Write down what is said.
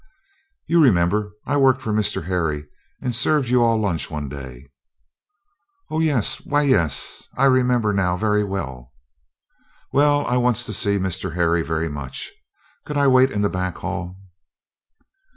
"You remember I worked for Mr. Harry and served you all lunch one day." "Oh, yes why, yes! I remember now very well." "Well, I wants to see Mr. Harry very much; could I wait in the back hall?"